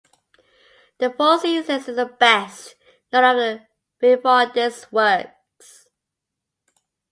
"The Four Seasons" is the best known of Vivaldi's works.